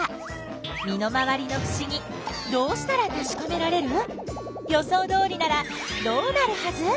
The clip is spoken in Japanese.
身の回りのふしぎどうしたらたしかめられる？予想どおりならどうなるはず？